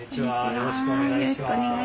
よろしくお願いします。